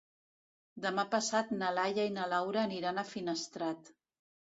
Demà passat na Laia i na Laura aniran a Finestrat.